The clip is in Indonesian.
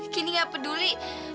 keni gak peduli